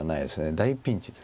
大ピンチです。